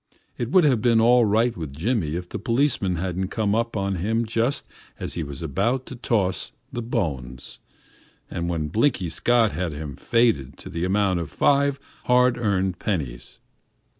It would have been all right with Jimmy if the policeman hadn't come up on him just as he was about to toss the "bones," and when Blinky Scott had him "faded" to the amount of five hard earned pennies.